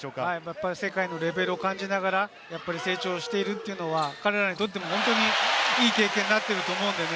世界のレベルを感じながら成長しているというのは、彼らにとっても本当にいい経験になっていると思う。